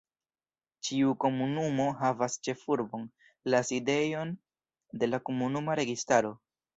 Ĉiu komunumo havas ĉefurbon, la sidejon de la komunuma registaro.